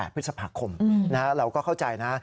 พฤษภาคมเราก็เข้าใจนะ